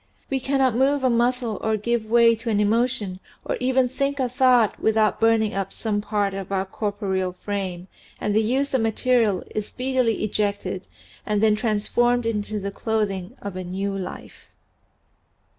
We cannot move a muscle or give way to an emotion or even think a thought without burning up some part of our cor poreal frame and the used up material is speedily ejected and then transformed into the clothing of a new life.